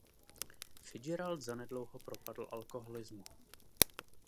Fitzgerald zanedlouho propadl alkoholismu.